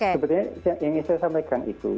sebenarnya yang ingin saya sampaikan itu